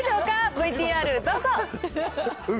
ＶＴＲどうぞ。